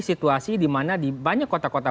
situasi dimana di banyak kota kota